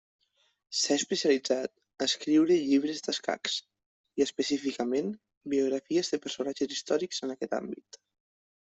S’ha especialitzat a escriure llibres d'escacs, i específicament biografies de personatges històrics en aquest àmbit.